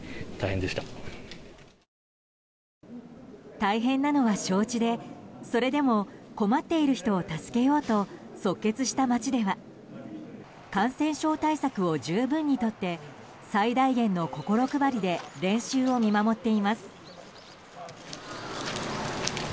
大変なのは承知でそれでも困っている人を助けようと即決した町では感染症対策を十分にとって最大限の心配りで練習を見守っています。